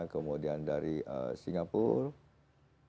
kemudian dari singapura